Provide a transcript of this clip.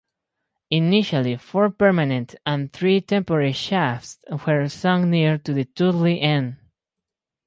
Initially four permanent and three temporary shafts were sunk near to the Totley end.